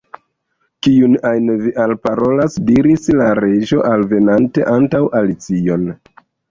"Kiun ajn vi alparolas?" diris la Reĝo, alvenante antaŭ Alicion.